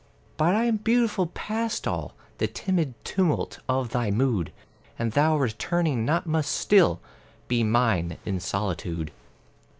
But I am beautiful past all The timid tumult of thy mood, And thou returning not must still Be mine in solitude.